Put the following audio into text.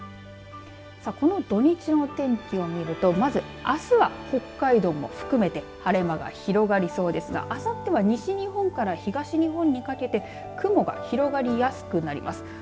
さあ、この土日の天気を見るとまず、あすは北海道も含めて晴れ間が広がりそうですがあさっては西日本から東日本にかけて雲が広がりやすくなります。